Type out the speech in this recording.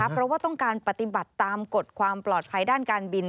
เพราะว่าต้องการปฏิบัติตามกฎความปลอดภัยด้านการบิน